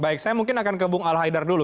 baik saya mungkin akan ke bung al haidar dulu